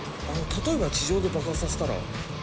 例えば、地上で爆発させたら？